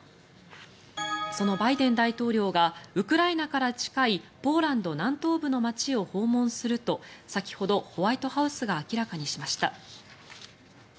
そのバイデン大統領がウクライナから近いポーランド南東部の街を訪問すると先ほどホワイトハウスが明らかにしました。